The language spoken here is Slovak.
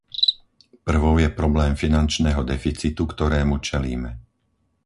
Prvou je problém finančného deficitu, ktorému čelíme.